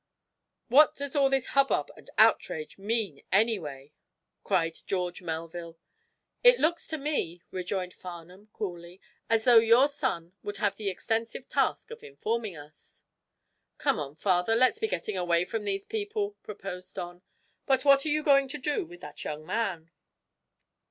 "What does all this hubbub and outrage mean, anyway?" cried George Melville. "It looks to me," rejoined Farnum, coolly, "as though your son would have the extensive task of informing us." "Come on, father; let's be getting away from these people," proposed Don. "But what are you going to do with that young man?"